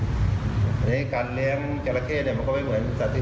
อันนี้การเลี้ยงจราเข้มันก็ไม่เหมือนสัตว์